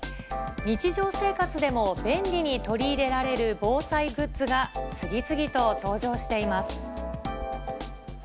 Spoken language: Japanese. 日常生活でも便利に取り入れられる防災グッズが、次々と登場しています。